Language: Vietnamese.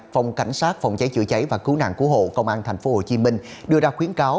phòng cảnh sát phòng cháy chữa cháy và cứu nạn cứu hộ công an tp hcm đưa ra khuyến cáo